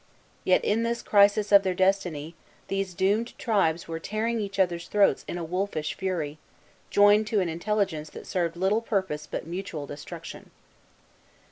Yet, in this crisis of their destiny, these doomed tribes were tearing each other's throats in a wolfish fury, joined to an intelligence that served little purpose but mutual destruction.